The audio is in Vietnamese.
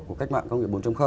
của cách mạng công nghiệp bốn